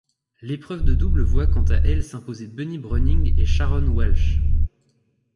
L'épreuve de double voit quant à elle s'imposer Bunny Bruning et Sharon Walsh.